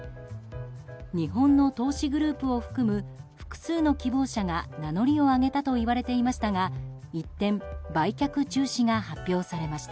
日本の投資グループを含む複数の希望者が名乗りを上げたといわれていましたが一転、売却中止が発表されました。